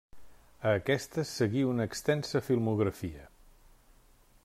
A aquestes seguí una extensa filmografia.